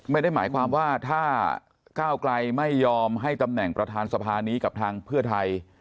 ไม่ได้หมายความว่าถ้าก้าวไกลไม่ยอมให้ตำแหน่งประธานสภานี้กับทางเพื่อไทย